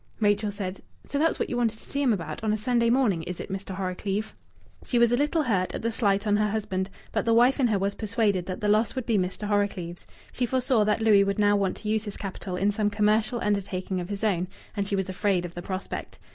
Rachel said, "So that's what you wanted to see him about on a Sunday morning, is it, Mr. Horrocleave?" She was a little hurt at the slight on her husband, but the wife in her was persuaded that the loss would be Mr. Horrocleave's. She foresaw that Louis would now want to use his capital in some commercial undertaking of his own; and she was afraid of the prospect.